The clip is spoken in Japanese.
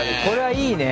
いいね！